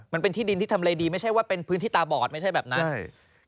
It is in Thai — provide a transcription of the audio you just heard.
มันเป็นที่ดินที่ทำอะไรดีไม่ใช่ว่าเป็นพื้นที่ตาบอดไม่ใช่แบบนั้นใช่